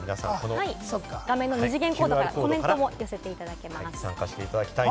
画面の二次元コードからコメントも寄せていただけます。